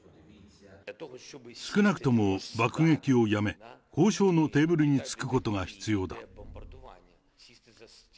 少なくとも爆撃をやめ、交渉のテーブルにつくことが必要だ。